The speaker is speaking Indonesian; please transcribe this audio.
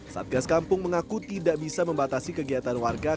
satgas kampung mengaku tidak bisa membatasi kegiatan warga